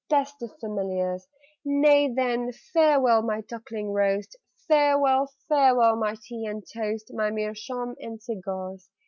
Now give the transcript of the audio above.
Best of Familiars! Nay then, farewell, my duckling roast, Farewell, farewell, my tea and toast, My meerschaum and cigars!